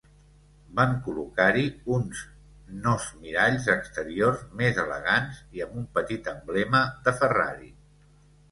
Van col·locar-hi uns nos miralls exteriors més elegants i amb un petit emblema de Ferrari.